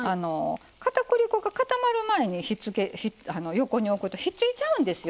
片栗粉が固まる前に横に置くと引っついちゃうんですよ。